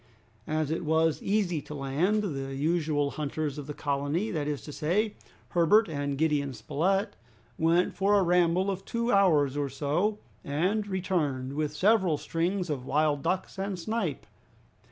As it was easy to land, the usual hunters of the colony, that is to say, Herbert and Gideon Spilett, went for a ramble of two hours or so, and returned with several strings of wild duck and snipe.